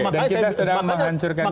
dan kita sedang menghancurkan citra